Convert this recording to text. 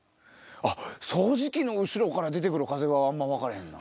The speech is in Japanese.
掃除機の後ろから出てくる風があんま分からへんな。